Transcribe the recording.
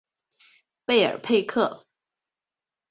贝尔佩克。